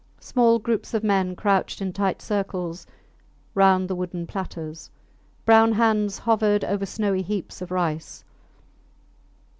Small groups of men crouched in tight circles round the wooden platters; brown hands hovered over snowy heaps of rice.